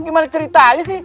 gimana ceritanya sih